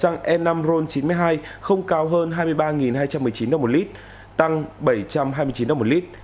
xăng e năm ron chín mươi hai không cao hơn hai mươi ba hai trăm một mươi chín đồng một lít tăng bảy trăm hai mươi chín đồng một lít